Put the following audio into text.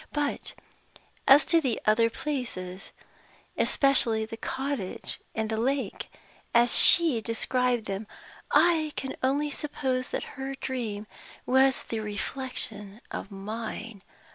But as to the other places, especially the cottage and the lake (as she described them) I can only suppose that her dream was the reflection of mine.